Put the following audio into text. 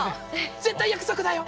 絶対約束だよ。